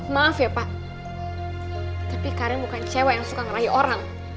maaf ya pak tapi karen bukan cewek yang suka ngerayu orang